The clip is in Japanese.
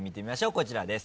こちらです。